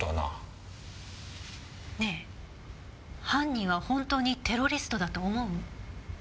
ねえ犯人は本当にテロリストだと思う？